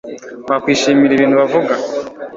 wakwishimira ibintu bavuga